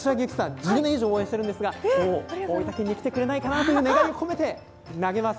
１０年以上応援しているんですが、大分県に来てくれないかなという願いを込めて投げます。